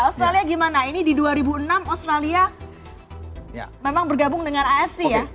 australia gimana ini di dua ribu enam australia memang bergabung dengan afc ya